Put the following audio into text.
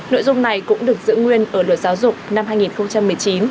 nội dung này cũng được giữ nguyên ở luật giáo dục năm hai nghìn một mươi chín